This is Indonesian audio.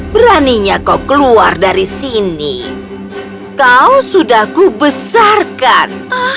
beraninya kau keluar